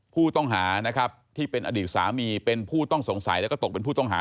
ผู้ต้องหานะครับที่เป็นอดีตสามีเป็นผู้ต้องสงสัยแล้วก็ตกเป็นผู้ต้องหา